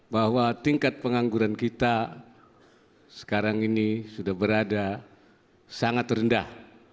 bahwa tingkat pengangguran kita sekarang ini sudah berada sangat rendah